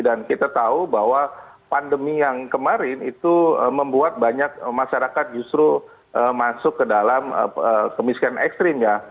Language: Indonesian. dan kita tahu bahwa pandemi yang kemarin itu membuat banyak masyarakat justru masuk ke dalam kemiskinan ekstrim ya